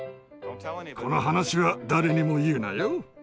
この話は誰にも言うなよ！